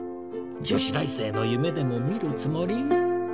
女子大生の夢でも見るつもり？